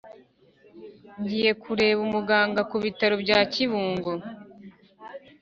Ngiye kureba umuganga ku ibitaro bya kibungo